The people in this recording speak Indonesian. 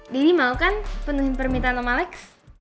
daddy mau kan penuhi permintaan om alex